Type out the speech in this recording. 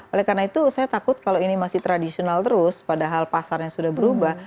oleh karena itu saya takut kalau ini masih tradisional terus padahal pasarnya sudah berubah